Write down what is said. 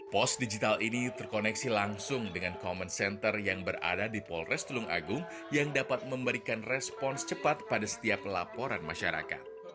pos digital ini terkoneksi langsung dengan common center yang berada di polres tulung agung yang dapat memberikan respons cepat pada setiap laporan masyarakat